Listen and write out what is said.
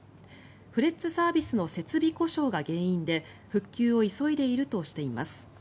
フレッツサービスの設備故障が原因で復旧を急いでいるとしています。